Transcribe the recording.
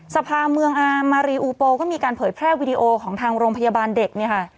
สภาเมืองอามารีอูโปก็มีการเผยแพร่วิดีโอของทางโรงพยาบาลเด็กเนี่ยค่ะ